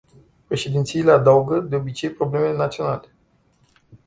Președințiile adaugă, de obicei, probleme naționale.